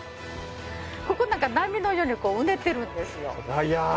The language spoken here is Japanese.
ここなんか波のようにこううねってるんですよ。